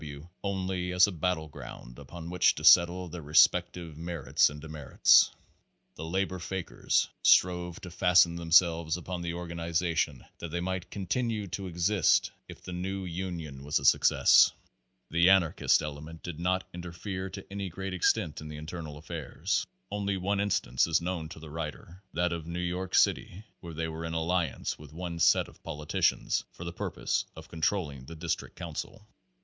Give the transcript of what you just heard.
W. only as a battle ground upon which to settle their respective merits and demerits. The labor fakers strove to fasten themselves upon the organization that they might continue to exist if the new union was Page Six a success. The anarchist element did not interfere to any great extent in the internal affairs. Only one in stance is known to the writer : That of New York City where they were in alliance with one set of politicians, for the purpose of controlling the district council.